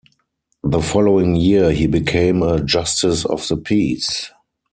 The following year he became a Justice of the Peace.